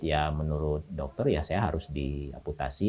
ya menurut dokter ya saya harus diaputasi